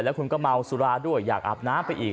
แล้วคุณก็เมาสุราด้วยอยากอาบน้ำไปอีก